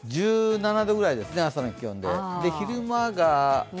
１７度ぐらいですね、朝の気温で。